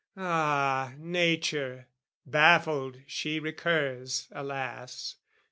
Ah, Nature baffled she recurs, alas!